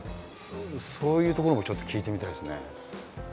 そういうところもちょっと聞いてみたいですね。